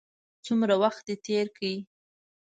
څومره وخت دې تېر کړ.